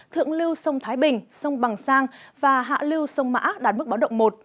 thượng lưu sông thái bình sông bằng sang và hạ lưu sông mã đạt mức báo động một